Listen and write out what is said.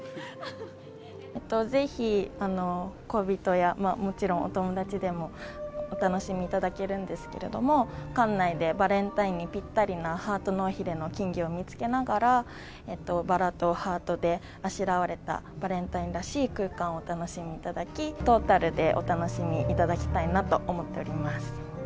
ぜひ恋人や、もちろんお友達でもお楽しみいただけるんですけれども、館内でバレンタインにぴったりなハートの尾ひれの金魚を見つけながら、バラとハートであしらわれたバレンタインらしい空間をお楽しみいただき、トータルでお楽しみいただきたいなと思っております。